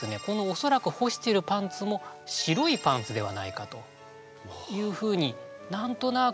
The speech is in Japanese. おそらく干しているパンツも白いパンツではないかというふうに何となくこう。